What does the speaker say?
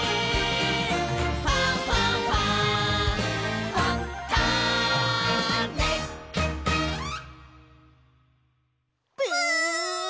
「ファンファンファン」ブン！